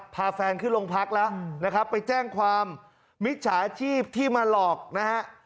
พาแฟนขึ้นลงพักแล้วนะครับไปแจ้งความมิจฉาชีพที่มาหลอกนะฮะ